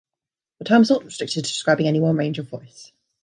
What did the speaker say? The term is not restricted to describing any one range of voice.